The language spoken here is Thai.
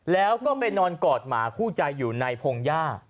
แล้วก็ไปนอนกอดหมาคู่ใจอยู่ในพงหญ้า